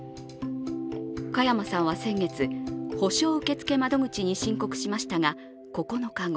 加山さんは、先月、補償受付窓口に申告しましたが、９日後